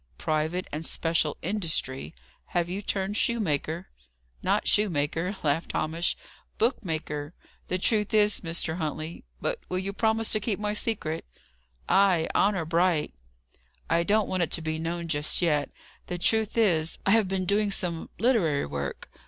"Private and special industry! Have you turned shoemaker?" "Not shoemaker," laughed Hamish. "Book maker. The truth is, Mr. Huntley But will you promise to keep my secret?" "Ay. Honour bright." "I don't want it to be known just yet. The truth is, I have been doing some literary work.